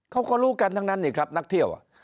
เขาก็รู้กันทั้งนั้นนี่ครับนักเที่ยว